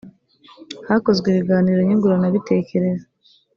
hakozwe ibiganiro nyungurana bitekerezo .